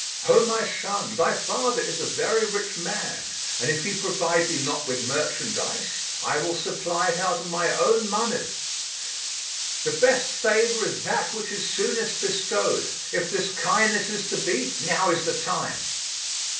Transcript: "O my son, thy father is a very rich man and, if he provide thee not with merchandise, I will supply it out of my own monies." "The best favour is that which is soonest bestowed; if this kindness is to be, now is the time."